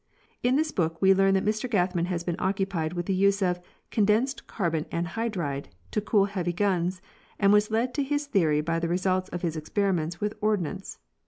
In this book we learn that Mr Gathman has been occupied with the use of condensed carbon anhydride to cool heavy guns, and was led to his theory by the results of his experiments with ordnance.